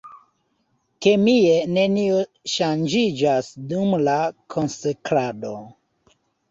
Kemie nenio ŝanĝiĝas dum la konsekrado.